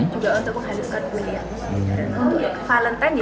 juga untuk menghaluskan kulit